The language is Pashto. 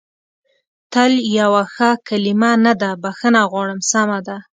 تل یوه ښه کلمه نه ده، بخښنه غواړم، سمه ده.